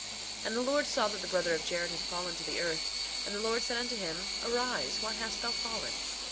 3:7 And the Lord saw that the brother of Jared had fallen to the earth; and the Lord said unto him: Arise, why hast thou fallen?